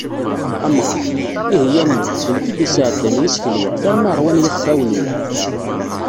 Amɣar: "Ihi! A mmi, d nekk i d-isεeddan yis-k lweqt, armi ṛwan yixfawen-iw."